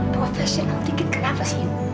profesional dikit kenapa sih